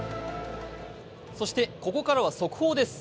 そしてここからは速報です。